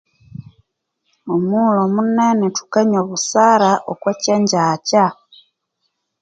Omughulhu omunene thukanywa obusara oku kyenjjakya